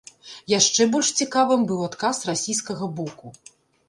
Яшчэ больш цікавым быў адказ расійскага боку.